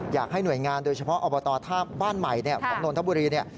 อยากให้หน่วยงานโดยเฉพาะอบตท่าบ้านใหม่ของนนทบุรีเนี่ย